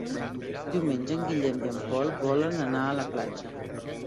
Diumenge en Guillem i en Pol volen anar a la platja.